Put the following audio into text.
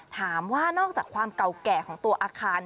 นอกจากความเก่าแก่ของตัวอาคาร